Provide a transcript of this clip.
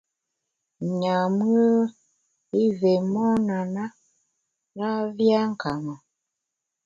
Nyam-ùe i vé mon a na, na vé a nka ma.